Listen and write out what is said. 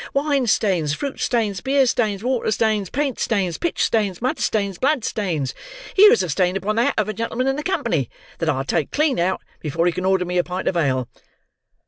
Wine stains, fruit stains, beer stains, water stains, paint stains, pitch stains, mud stains, blood stains! Here is a stain upon the hat of a gentleman in company, that I'll take clean out, before he can order me a pint of ale."